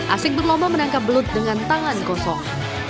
asik berlomba menangkap belut dengan tangan kosong